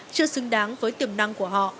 chưa xứng đáng với tiềm năng của họ